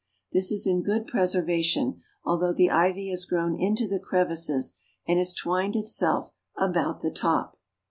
This is in good preservation, although the ivy has grown into the crevices, and has twined itself about the top.